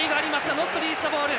ノットリリースザボール。